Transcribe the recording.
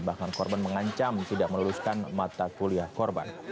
bahkan korban mengancam tidak meluluskan mata kuliah korban